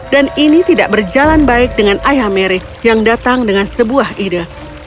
dan ini tidak berjalan baik dengan ayah mary yang datang dengan sebuah ide